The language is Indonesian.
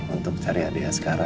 untuk cari adik askara ya